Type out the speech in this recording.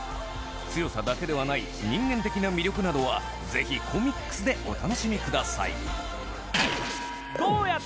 強さだけではない人間的な魅力などはぜひコミックスでお楽しみください